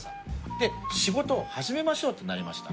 で仕事を始めましょうとなりました。